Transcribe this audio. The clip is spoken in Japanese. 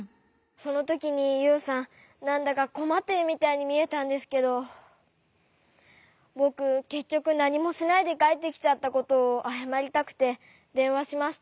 そのときにユウさんなんだかこまっているみたいにみえたんですけどぼくけっきょくなにもしないでかえってきちゃったことをあやまりたくてでんわしました。